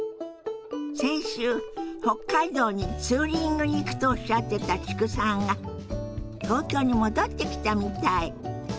先週北海道にツーリングに行くとおっしゃってた知久さんが東京に戻ってきたみたい。